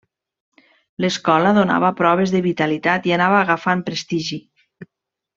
L'Escola donava proves de vitalitat i anava agafant prestigi.